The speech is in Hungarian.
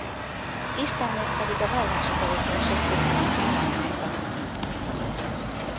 Az istennők pedig a vallási tevékenység központjában álltak.